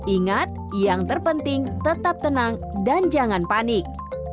ingat yang terpenting tetap tenang dan jangan panik